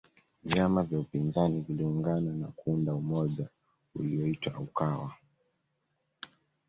vyama vya upinzani viliungana na kuunda umoja uliyoitwa ukawa